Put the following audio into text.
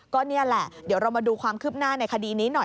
ก็นี่แหละเดี๋ยวเรามาดูความคืบหน้าในคดีนี้หน่อย